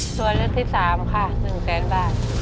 ตัวเลือกที่๓ค่ะ๑แสนบาท